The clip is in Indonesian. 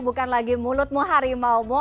bukan lagi mulutmu harimau mu